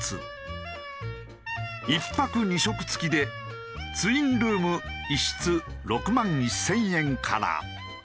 １泊２食付きでツインルーム１室６万１０００円から。